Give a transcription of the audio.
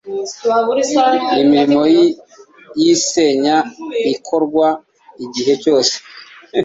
Imirimo y isenya ikorwa igihe cyose